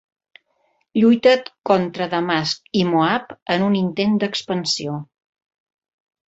Lluita contra Damasc i Moab en un intent d'expansió.